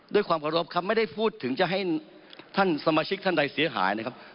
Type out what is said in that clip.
ด้วยความขอรบครับไม่ได้พูดถึงจะให้ท่านสมาชิกท่านใดเสียหายนะครับ